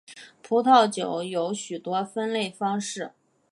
葡萄酒有许多分类方式。